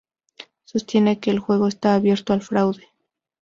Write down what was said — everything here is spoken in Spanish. Sostiene que el juego está abierto al fraude.